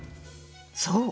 そう。